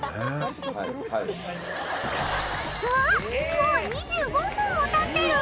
もう２５分も経ってる！